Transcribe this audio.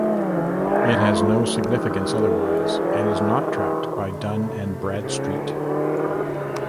It has no significance otherwise and is not tracked by Dun and Bradstreet.